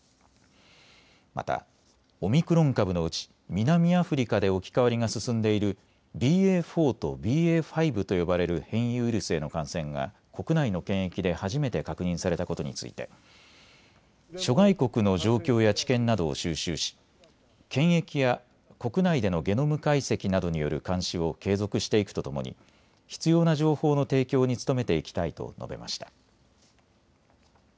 またオミクロン株のうち南アフリカで置き換わりが進んでいるＢＡ．４とＢＡ．５と呼ばれる変異ウイルスへの感染が国内の検疫で初めて確認されたことについて諸外国の状況や知見などを収集し検疫や国内でのゲノム解析などによる監視を継続していくとともに必要な情報の提供に努めていきたいと述べました。